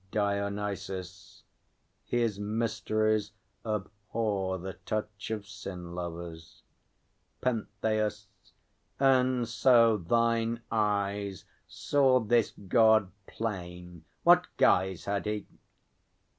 DIONYSUS. His mysteries abhor The touch of sin lovers. PENTHEUS. And so thine eyes Saw this God plain; what guise had he?